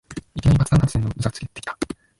いきなり爆弾発言ぶっこんできた